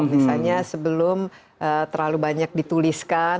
misalnya sebelum terlalu banyak dituliskan